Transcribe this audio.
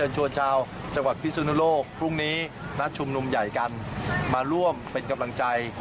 ชวนชาวจังหวัดพิสุนุโลกพรุ่งนี้นัดชุมนุมใหญ่กันมาร่วมเป็นกำลังใจ